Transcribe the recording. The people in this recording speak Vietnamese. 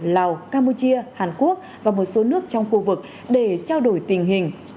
lào campuchia hàn quốc và một số nước trong khu vực để trao đổi tình hình